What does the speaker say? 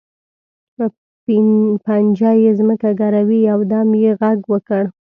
په پنجه یې ځمکه ګروي، یو دم یې غږ وکړ.